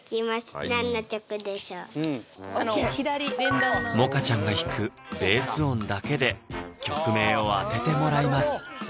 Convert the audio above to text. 第１問もかちゃんが弾くベース音だけで曲名を当ててもらいます